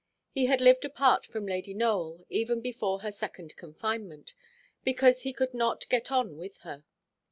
He had lived apart from Lady Nowell, even before her second confinement; because he could not get on with her.